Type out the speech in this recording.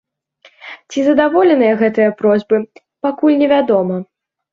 Ці задаволеныя гэтыя просьбы, пакуль невядома.